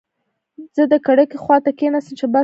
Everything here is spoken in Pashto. زه د کړکۍ خواته کېناستم چې بس را ووت.